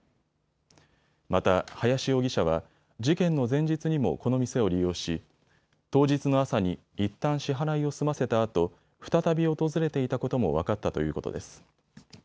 また林容疑者は事件の前日にもこの店を利用し当日の朝にいったん支払いを済ませたあと再び訪れていたことも分かったということです。